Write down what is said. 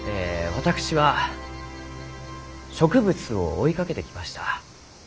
私は植物を追いかけてきました。